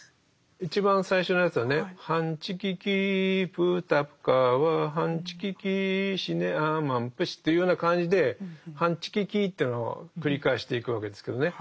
一番最初のやつはね「ハンチキキプータカーワハンチキキシネアマムプシ」というような感じで「ハンチキキ」というのを繰り返していくわけですけどね。